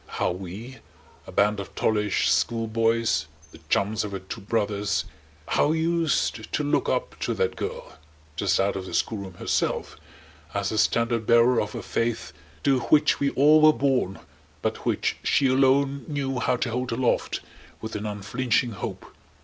How we, a band of tallish schoolboys, the chums of her two brothers, how we used to look up to that girl just out of the schoolroom herself, as the standard bearer of a faith to which we all were born but which she alone knew how to hold aloft with an unflinching hope!